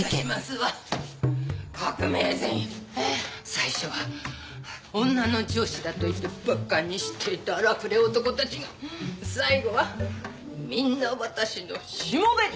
最初は女の上司だといって馬鹿にしていた荒くれ男たちが最後はみんな私のしもべに！